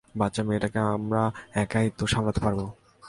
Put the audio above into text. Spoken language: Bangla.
বাচ্চা মেয়েটাকে আমরা একাই তো সামলাতে পারবো!